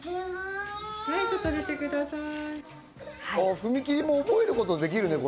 踏み切りも覚える事できるね。